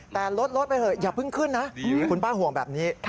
แต่ลดไปเถอะอย่าเพิ่งขึ้นนะคุณป้าห่วงแบบนี้